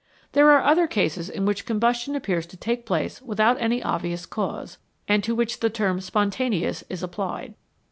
There are other cases in which combustion appears to take place without any obvious cause, and to which the term "spontaneous" is applied.